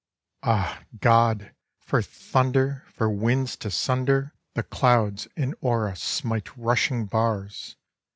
Ah, God! for thunder! for winds to sunder The clouds and o'er us smite rushing bars!